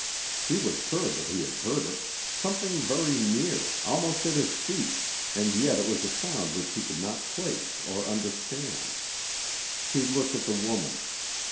He was sure that he had heard it something very near, almost at his feet, and yet it was a sound which he could not place or understand. He looked at the woman.